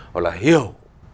hoặc là hiểu